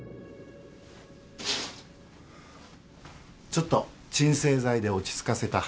・ちょっと鎮静剤で落ち着かせた。